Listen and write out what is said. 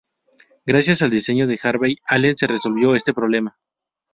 Gracias al diseño de Harvey Allen se resolvió este problema.